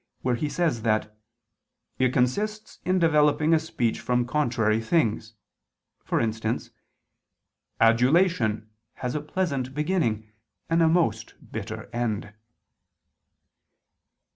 iv), where he says that "it consists in developing a speech from contrary things," for instance: "Adulation has a pleasant beginning, and a most bitter end."